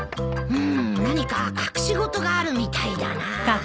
うん何か隠し事があるみたいだな。